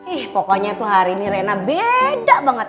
eh pokoknya tuh hari ini rina beda banget